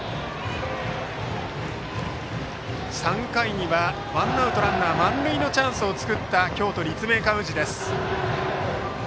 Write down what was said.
３回にはワンアウトランナー、満塁のチャンスを作った京都・立命館宇治です。